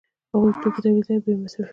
هغه توکي تولیدوي او بیا یې مصرفوي